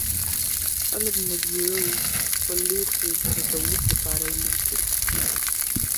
خلک مجبور وو خپل لوښي د تولید لپاره ویلې کړي.